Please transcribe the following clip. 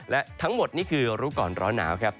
และทั้งหมดนี่คือรู้ก่อนร้อนหนาวครับ